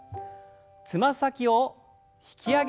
つま先を引き上げる運動です。